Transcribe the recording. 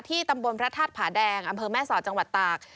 ตำบลพระธาตุผาแดงอำเภอแม่สอดจังหวัดตาก